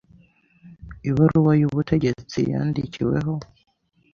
ibaruwa y’ubutegetsi yandikiweho.